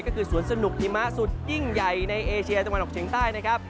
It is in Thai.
ก็คือสวนสนุกหิมะสุดยิ่งใหญ่ในเอเชียตะวันออกเฉียงใต้นะครับ